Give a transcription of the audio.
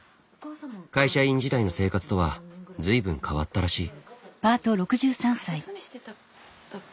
会社員時代の生活とは随分変わったらしい。